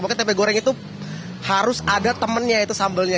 pokoknya tempe goreng itu harus ada temennya itu sambelnya